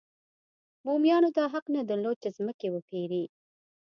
بومیانو دا حق نه درلود چې ځمکې وپېري.